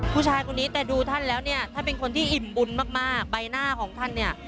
ผู้ชายคนนี้แต่ดูท่านแล้วเนี่ยท่านเป็นคนที่อิ่มบุญมากใบหน้าของท่านเนี่ย